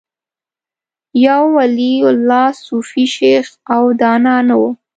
یو ولي الله، صوفي، شیخ او دانا نه و